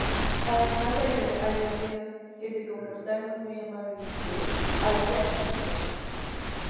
Además, añadieron que "se comportaron muy amablemente, hay que admitirlo".